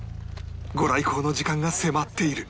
御来光の時間が迫っている